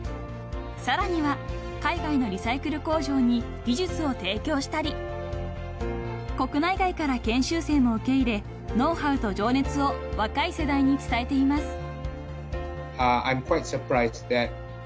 ［さらには海外のリサイクル工場に技術を提供したり国内外から研修生も受け入れノウハウと情熱を若い世代に伝えています］